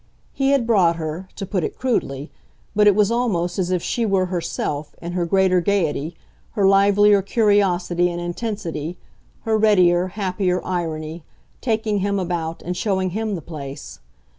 He had "brought" her, to put it crudely, but it was almost as if she were herself, in her greater gaiety, her livelier curiosity and intensity, her readier, happier irony, taking him about and showing him the place.